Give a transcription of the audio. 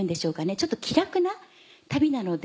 ちょっと気楽な旅なので。